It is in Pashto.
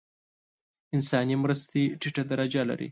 انساني مرستې ټیټه درجه لري.